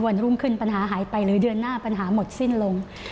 รุ่งขึ้นปัญหาหายไปหรือเดือนหน้าปัญหาหมดสิ้นลง